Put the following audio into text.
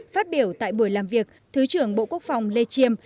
phát biểu tại buổi làm việc thứ trưởng bộ quốc phòng lê chiêm